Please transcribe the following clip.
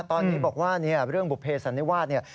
ตอนนี้บอกว่าเรื่องบุภเสันนิวาสเนี่ย